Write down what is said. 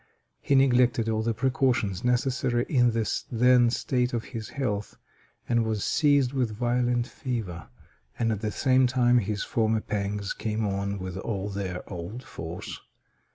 He neglected all the precautions necessary in the then state of his health, and was seized with violent fever, and at the same time his former pangs came on with all their old force.